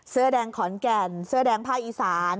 เสื้อแดงขอนแก่นเสื้อแดงภาคอีสาน